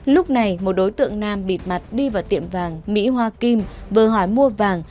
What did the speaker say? lúc này một đối tượng nam bịt mặt đi vào tiệm vàng mỹ hoa kim vừa hỏi mua vàng